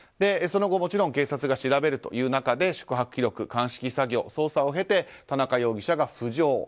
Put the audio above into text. その後、もちろん警察が調べるという中で宿泊記録、鑑識作業、捜査を経て田中容疑者が浮上。